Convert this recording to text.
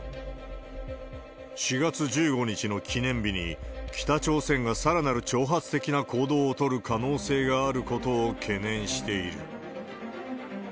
４月１５日の記念日に、北朝鮮がさらなる挑発的な行動を取る可能性があることを懸念している。